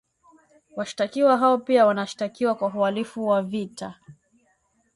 Washtakiwa hao pia wanashtakiwa kwa uhalifu wa vita